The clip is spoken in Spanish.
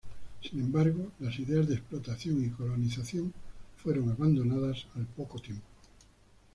Sin embargo, las ideas de explotación y colonización fueron abandonadas al poco tiempo.